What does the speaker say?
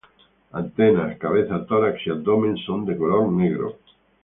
Antenas, cabeza, tórax y abdomen son de color negro.